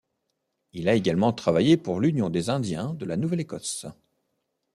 Il a également travaillé pour l’Union des Indiens de la Nouvelle-Écosse.